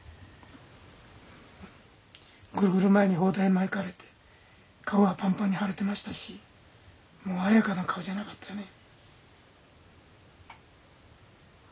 グルグル巻きに包帯巻かれて顔はパンパンに腫れてましたしもう彩花の顔じゃなかったね。